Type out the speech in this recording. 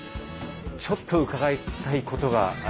ちょっと伺いたいことがありまして。